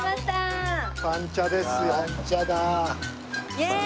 イエーイ！